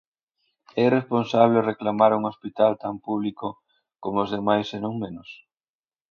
¿É irresponsable reclamar un hospital tan público como os demais e non menos?